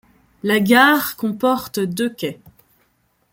La gare comporte deux quais.